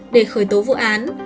để khởi tố vụ án